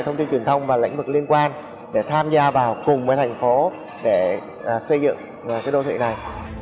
các doanh nghiệp truyền thông và lãnh vực liên quan để tham gia vào cùng với thành phố để xây dựng cái đô thị này